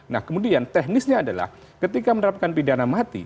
nah kemudian teknisnya adalah ketika menerapkan pidana mati